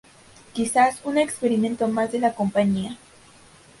Quizás un experimento más de la compañía.